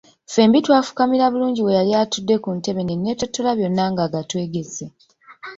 Ffembi twafukamira bulungi we yali atudde ku ntebe ne neettottola byonna ng'agatwegese.